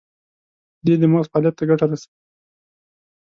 • شیدې د مغز فعالیت ته ګټه رسوي.